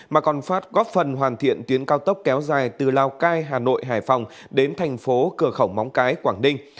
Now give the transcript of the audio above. mà còn phát góp phần hoàn thiện tuyến cao tốc kéo dài từ lào cai hà nội hải phòng đến thành phố cửa khẩu móng cái quảng ninh